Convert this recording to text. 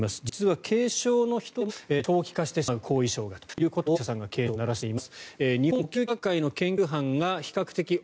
実は軽症の人でも長期化してしまう後遺症がということをお医者さんが警鐘を鳴らしています。